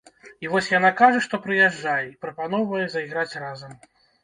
І вось яна кажа, што прыязджае, і прапаноўвае зайграць разам.